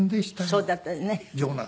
そうだったね。